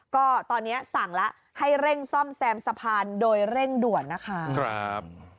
ก็ตอนนี้สั่งแล้วให้เร่งซ่อมแซมสะพานโดยเร่งด่วนนะคะ